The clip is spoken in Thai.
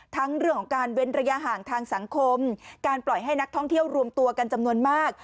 ทั้งเรื่องของการเว้นระยะห่างทางสังคมการปล่อยให้นักท่องเที่ยวรวมตัวกันจำนวนมาก